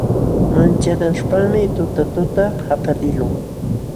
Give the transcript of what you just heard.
Manchanaśhpaqmi tutatuta qapaliqlun.